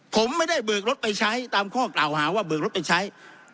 ผมไม่ได้เบิกรถไปใช้ตามข้อกล่าวหาว่าเบิกรถไปใช้